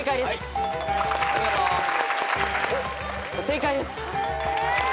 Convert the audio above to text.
正解です。